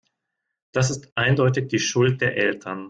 Das ist eindeutig die Schuld der Eltern.